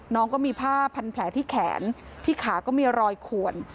น้องก็มีผ้าพันแผลที่แขนที่ขาก็มีรอยขวน